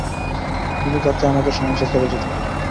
কিন্তু তাতে আমাদের সমস্যা বেড়ে যেতে পারে।